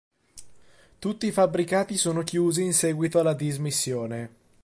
Tutti i fabbricati sono chiusi in seguito alla dismissione.